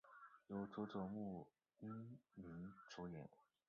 由佐佐木英明主演。